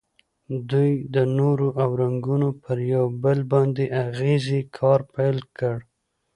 دوی د نور او رنګونو پر یو بل باندې اغیزې کار پیل کړ.